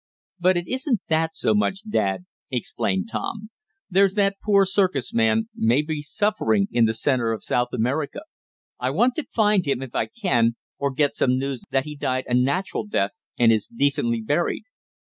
"But it isn't that so much, dad," explained Tom. "There's that poor circus man, maybe suffering in the centre of South America. I want to find him, if I can, or get some news that he died a natural death, and is decently buried."